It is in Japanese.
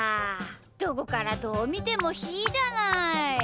どこからどうみてもひーじゃない。